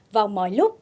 vào mọi lúc